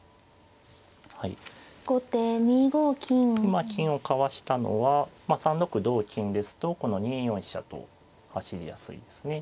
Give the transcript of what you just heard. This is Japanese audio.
まあ金をかわしたのは３六同金ですとこの２四飛車と走りやすいですね。